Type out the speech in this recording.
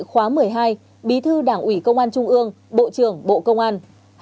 khóa một mươi hai bí thư đảng ủy công an trung ương bộ trưởng bộ công an